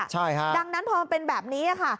ใช่ค่ะดังนั้นพอมันเป็นแบบนี้ค่ะ